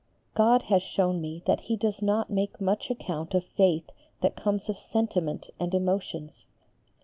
God has shown me that He does not make much account of faith that comes of sentiment and emotions.